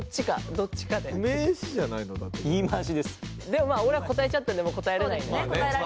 でもまあ俺は答えちゃったんでもう答えられないんですけど。